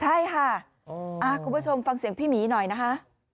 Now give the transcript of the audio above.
ใช่ค่ะคุณผู้ชมฟังเสียงพี่หมีหน่อยนะคะ